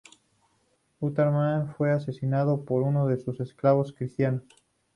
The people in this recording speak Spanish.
Uthman fue asesinado por uno de sus esclavos cristianos.